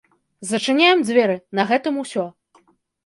Зачыняем дзверы, на гэтым усё.